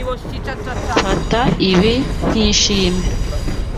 Mfata ibi nkishimwe.